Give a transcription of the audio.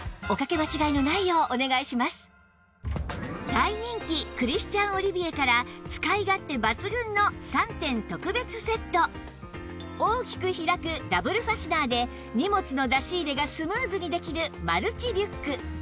大人気クリスチャン・オリビエから大きく開くダブルファスナーで荷物の出し入れがスムーズにできるマルチリュック